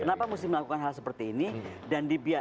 kenapa mesti melakukan hal seperti ini